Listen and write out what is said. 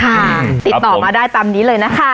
ติดต่อมาได้ตามนี้เลยนะคะ